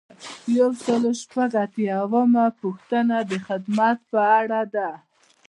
یو سل او شپږ اتیایمه پوښتنه د خدمت په اړه ده.